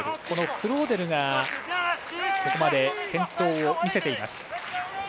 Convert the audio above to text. このクローデルがここまで健闘を見せています。